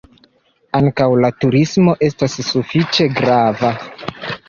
Ankaŭ la turismo estas sufiĉe grava.